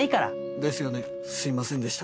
ですよねすいませんでした。